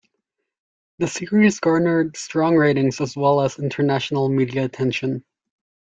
The series garnered strong ratings as well as international media attention.